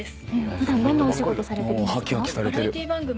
普段どんなお仕事されてるんですか？